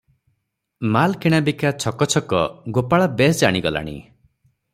ମାଲ କିଣା ବିକା ଛକ ଛକ ଗୋପାଳ ବେଶ ଜାଣିଗଲାଣି ।